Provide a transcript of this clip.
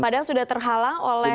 padahal sudah terhalang oleh